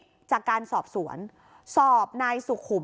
พอหลังจากเกิดเหตุแล้วเจ้าหน้าที่ต้องไปพยายามเกลี้ยกล่อม